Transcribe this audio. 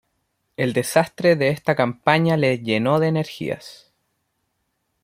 El desastre de esta campaña le llenó de energías.